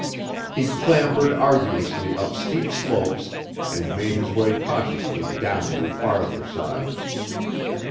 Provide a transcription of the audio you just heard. He clambered arduously up steep slopes and made his way cautiously down their farther sides.